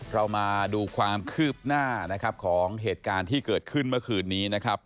เรามาดูความคืบหน้านะครับของเหตุการณ์ที่เกิดขึ้นเมื่อคืนนี้นะครับ